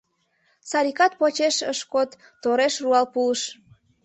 — Саликат почеш ыш код, тореш руал пуыш.